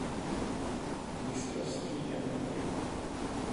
Mistrovství Evropy.